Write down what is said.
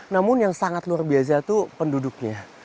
namun yang sangat luar biasa itu penduduknya